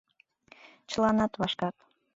Чыланат вашкат.